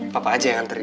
papa aja yang anterin